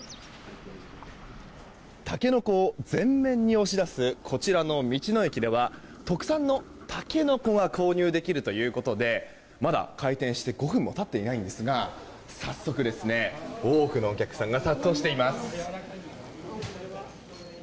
タケノコを前面に押し出すこちらの道の駅では特産のタケノコは購入できるということでまだ開店して５分も経っていないんですが早速多くのお客さんが殺到しています。